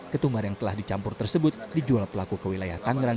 ketumbar yang telah dicampur tersebut dijual pelaku ke wilayah tangerang